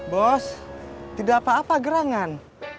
bos tidak apa apa gerangan